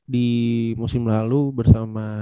di musim lalu bersama